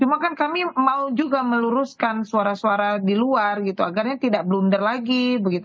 cuma kan kami mau juga meluruskan suara suara di luar gitu agarnya tidak blunder lagi begitu